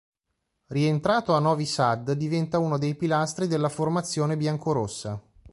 Rientrato a Novi Sad diventa uno dei pilastri della formazione biancorossa.